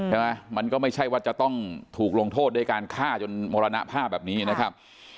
มันก็ไม่ใช่ว่าจะต้องถูกลงโทษด้วยการฆ่าจนมรณภาพแบบนี้นะครับ